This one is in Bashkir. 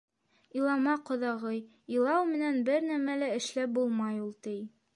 — Илама, ҡоҙағый, илау менән бер нәмә лә эшләп булмай ул, — ти.